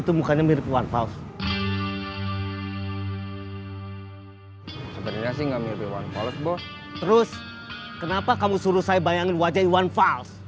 terus kenapa kamu suruh saya bayangin wajah iwan vals